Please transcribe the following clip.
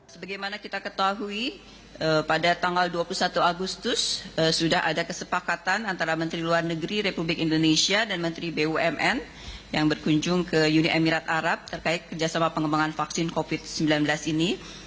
sebagaimana kita ketahui pada tanggal dua puluh satu agustus sudah ada kesepakatan antara menteri luar negeri republik indonesia dan menteri bumn yang berkunjung ke uni emirat arab terkait kerjasama pengembangan vaksin covid sembilan belas ini